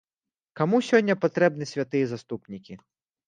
Каму сёння патрэбны святыя заступнікі?